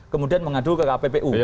kemudian mengadu ke kppu